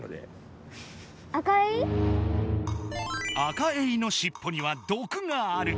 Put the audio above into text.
アカエイのしっぽには毒がある。